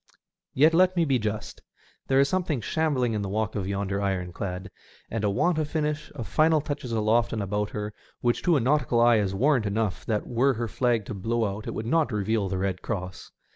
Yet, let me be just. There is something shambling in the walk of yonder ironclad, and a want of finish, of final touches aloft and about her, which to a nautical eye is warrant enough that were her flag to ' blow out it would not reveal the red cross.